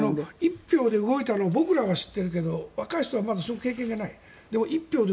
１票で動いたのを僕らは知ってるけど若い人はまだ経験がない。